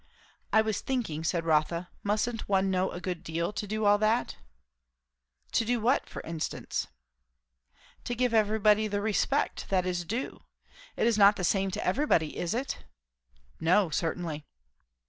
"I was thinking " said Rotha. "Mustn't one know a good deal, to do all that?" "To do what, for instance?" "To give everybody the respect that is due; it is not the same to everybody, is it?" "No, certainly."